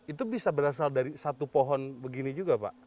itu bisa berasal dari satu pohon begini juga pak